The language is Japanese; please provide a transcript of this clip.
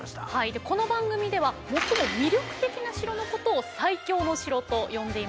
でこの番組では最も魅力的な城のことを「最強の城」と呼んでいます。